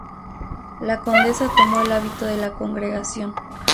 La condesa tomó el hábito de la congregación.